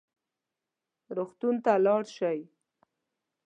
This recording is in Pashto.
روغتون ته لاړ شئ